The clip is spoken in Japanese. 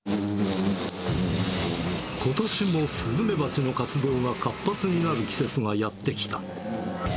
ことしもスズメバチの活動が活発になる季節がやって来た。